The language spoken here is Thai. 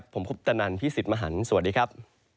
ผมคุปตนันพี่สิทธิ์มหันฯสวัสดีครับ